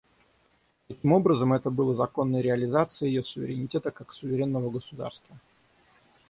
Таким образом, это было законной реализацией ее суверенитета как суверенного государства.